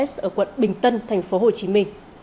năm nghìn một s ở quận bình tân tp hcm